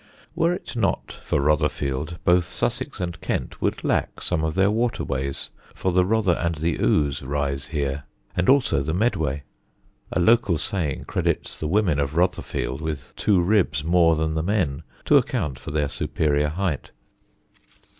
Were it not for Rotherfield both Sussex and Kent would lack some of their waterways, for the Rother and the Ouse rise here, and also the Medway. A local saying credits the women of Rotherfield with two ribs more than the men, to account for their superior height.